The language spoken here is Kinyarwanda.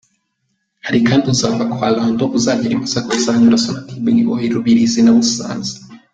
Hari kandi uzava kwa Lando, uzagera i Masaka uzanyura Sonatube-Niboye-Rubirizi na Busanza.